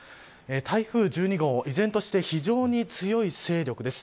台風１２号、依然として非常に強い勢力です。